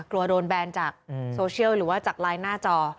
กลัวโดนแบนจากโซเชียลหรือว่าจากไลน์หน้าจอ